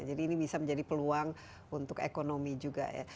jadi ini bisa menjadi peluang untuk ekonomi juga ya